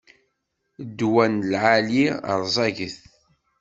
Ddwa n lɛali rẓaget.